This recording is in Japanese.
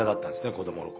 子どもの頃。